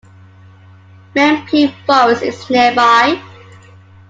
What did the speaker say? Mempi Forest is nearby.